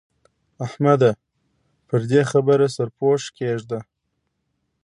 احمده! پر دې خبره سرپوښ کېږده.